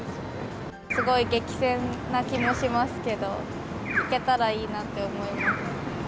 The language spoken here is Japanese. すごい激戦な気もしますけど、行けたらいいなって思います。